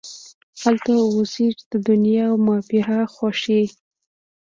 هلته اوسیږې د دنیا او مافیها خوښۍ